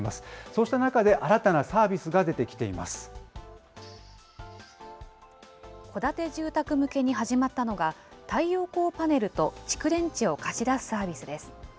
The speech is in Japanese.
そうした中で、新たなサービスが戸建て住宅向けに始まったのが、太陽光パネルと蓄電池を貸し出すサービスです。